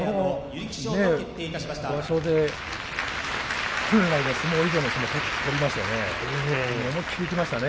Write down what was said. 本場所で本来の力以上の相撲を取りましたね。